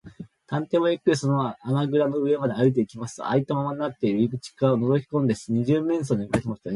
探偵はゆっくりその穴ぐらの上まで歩いていきますと、あいたままになっている入り口をのぞきこんで、二十面相によびかけました。